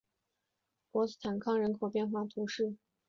博斯康坦人口变化图示